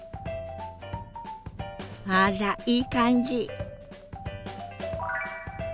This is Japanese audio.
あらいい感じ！